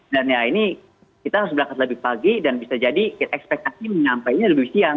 dan ya ini kita harus berangkat lebih pagi dan bisa jadi kita ekspektasi menyampaikannya lebih siang